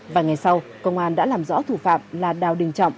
và ngày sau công an đã làm rõ thủ phạm là đào đình trọng